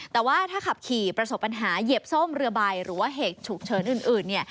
แต่ว่าถ้าขับขี่ประสบปัญหาเหยียบส้มเรือใบหรือว่าเหตุฉุกเฉินอื่นเนี่ย